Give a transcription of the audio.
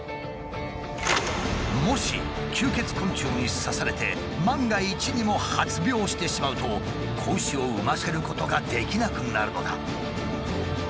もし吸血昆虫に刺されて万が一にも発病してしまうと子牛を産ませることができなくなるのだ。